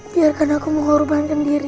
biarkan aku mengorbankan diri